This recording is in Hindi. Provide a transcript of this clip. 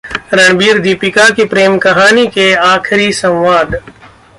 रणबीर-दीपिका की प्रेम कहानी के आखिरी संवाद